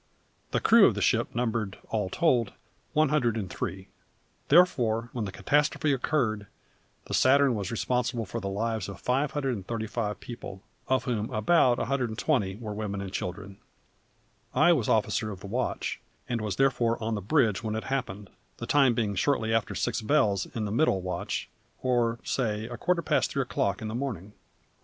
The crew of the ship numbered, all told, 103; therefore, when the catastrophe occurred, the Saturn was responsible for the lives of 535 people, of whom about 120 were women and children. I was officer of the watch, and was therefore on the bridge when it happened, the time being shortly after six bells in the middle watch, or say about a quarter past three o'clock in the morning.